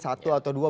satu atau dua